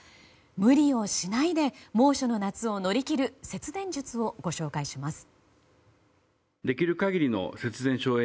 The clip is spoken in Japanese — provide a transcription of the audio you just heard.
無理をしないで猛暑の夏を乗り切る節電術をご紹介します。